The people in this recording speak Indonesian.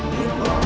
saya sangat cerdik